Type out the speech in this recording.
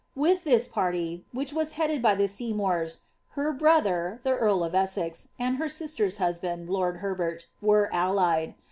With this party, which was lieaded by e Seymours, her only brother, the earl of Essex, and her sister^s hus od, lord Herbert, were allied.